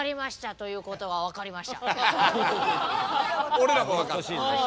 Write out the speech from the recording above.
俺らも分かった。